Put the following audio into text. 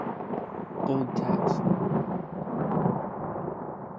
Bold text